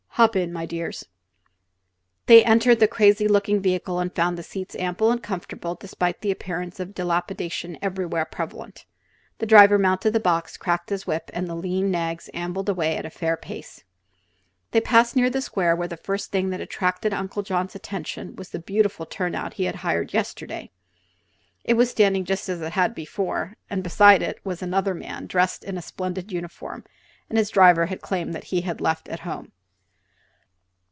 "Hop in, my dears." They entered the crazy looking vehicle and found the seats ample and comfortable despite the appearance of dilapidation everywhere prevalent. The driver mounted the box, cracked his whip, and the lean nags ambled away at a fair pace. They passed near to the square, where the first thing that attracted Uncle John's attention was the beautiful turnout he had hired yesterday. It was standing just as it had before, and beside it was another man dressed in the splendid uniform his driver had claimed that he had left at home.